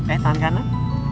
eh tangan kanan